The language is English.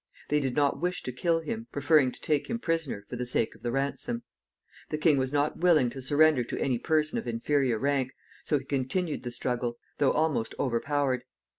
They did not wish to kill him, preferring to take him prisoner for the sake of the ransom. The king was not willing to surrender to any person of inferior rank, so he continued the struggle, though almost overpowered.